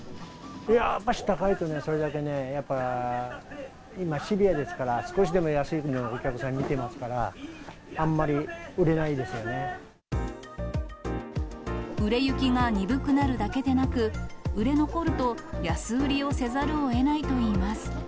やっぱり高いと、それだけでやっぱ、今、シビアですから、少しでも安いのをお客さんは見てますから、売れ行きが鈍くなるだけでなく、売れ残ると、安売りをせざるをえないといいます。